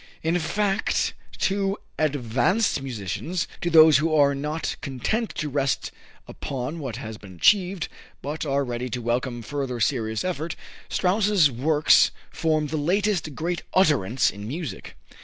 In fact, to advanced musicians, to those who are not content to rest upon what has been achieved, but are ready to welcome further serious effort, Strauss's works form the latest great utterance in music.